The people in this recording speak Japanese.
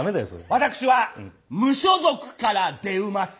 「私は無所属から『出馬』した」。